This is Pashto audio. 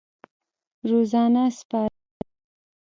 روزنه سپارلې وه.